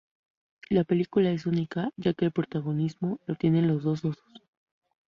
La película es única ya que el protagonismo lo tienen los dos osos.